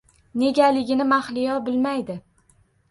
Negaligini Mahliyo bilmaydi